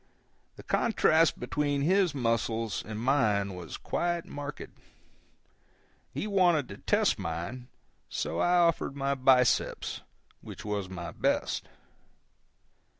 The contrast between his muscles and mine was quite marked. He wanted to test mine, so I offered my biceps—which was my best.